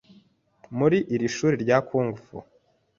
Muri iri shuri rya kung fu